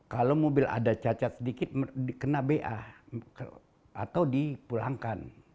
kalau mobil ada cacat sedikit dikena ba atau dipulangkan